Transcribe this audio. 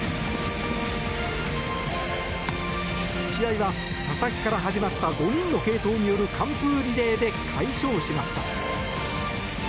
試合は佐々木から始まった５人の継投による完封リレーで快勝しました。